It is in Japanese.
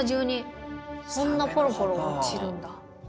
こんなポロポロ落ちるんだ。